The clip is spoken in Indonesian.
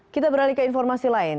kita beralih ke informasi lain